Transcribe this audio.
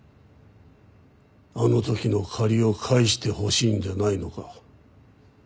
あの時の借りを返してほしいんじゃないのか？